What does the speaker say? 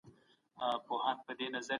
بورګان په یوې غونډه کي خپله نیوکه مطرح کړه.